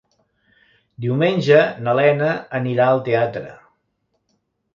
Diumenge na Lena anirà al teatre.